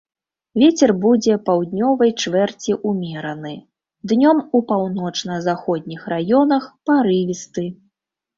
Вецер будзе паўднёвай чвэрці ўмераны, днём у паўночна-заходніх раёнах парывісты.